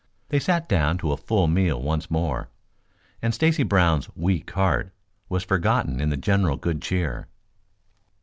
They sat down to a full meal once more, and Stacy Brown's "weak heart" was forgotten in the general good cheer.